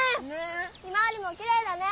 ひまわりもきれいだね。